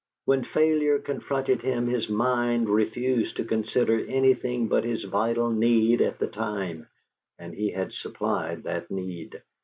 When failure confronted him his mind refused to consider anything but his vital need at the time, and he had supplied that need.